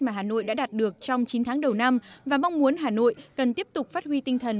mà hà nội đã đạt được trong chín tháng đầu năm và mong muốn hà nội cần tiếp tục phát huy tinh thần